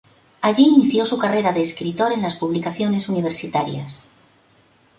Allí inició su carrera de escritor en las publicaciones universitarias.